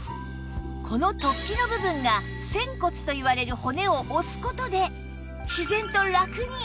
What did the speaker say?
この突起の部分が仙骨といわれる骨を押す事で